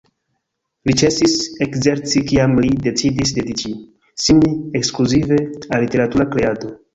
Li ĉesis ekzerci kiam li decidis dediĉi sin ekskluzive al literatura kreado.